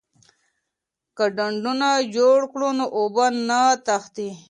که ډنډونه جوړ کړو نو اوبه نه تښتي.